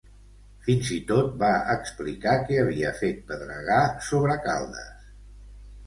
Fins i tot va explicar que havia fet pedregar sobre Caldes.